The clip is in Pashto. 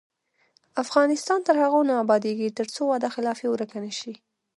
افغانستان تر هغو نه ابادیږي، ترڅو وعده خلافي ورکه نشي.